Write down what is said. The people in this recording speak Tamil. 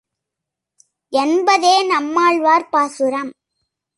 என்பதே நம்மாழ்வார் பாசுரம்.